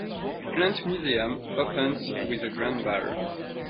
Plant Museum, opens with a grand ball.